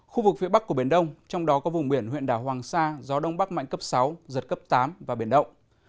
khu vực phía bắc của biển đông trong đó có vùng biển huyện đảo hoàng sa gió đông bắc mạnh cấp sáu giật cấp tám và biển động